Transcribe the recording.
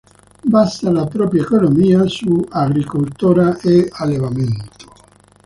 Basa la propria economia su agricoltura e allevamento.